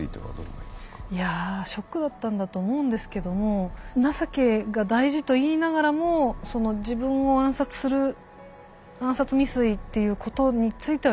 いやぁショックだったんだと思うんですけども情けが大事と言いながらもその自分を暗殺する暗殺未遂っていうことについてはやっぱり許せない。